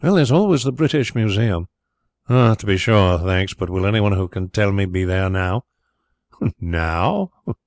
"There is always the British Museum." "Ah, to be sure, thanks. But will anyone who can tell me be there now?" "Now?